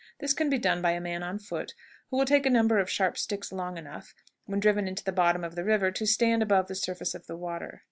This can be done by a man on foot, who will take a number of sharp sticks long enough, when driven into the bottom of the river, to stand above the surface of the water.